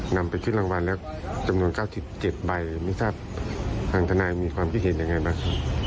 นำไปขึ้นรางวัลแล้วจำนวน๙๗ใบไม่ทราบทางทนายมีความคิดเห็นยังไงบ้าง